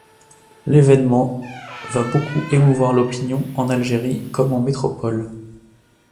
L'événement va beaucoup émouvoir l'opinion, en Algérie comme en métropole.